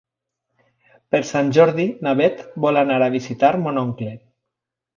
Per Sant Jordi na Bet vol anar a visitar mon oncle.